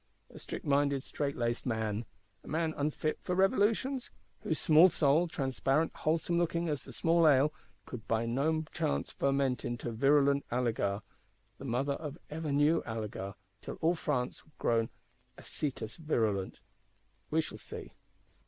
A strict minded, strait laced man! A man unfit for Revolutions? Whose small soul, transparent wholesome looking as small ale, could by no chance ferment into virulent alegar,—the mother of ever new alegar; till all France were grown acetous virulent? We shall see.